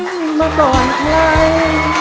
ทุกล้านมาก่อนใคร